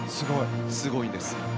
すごいです。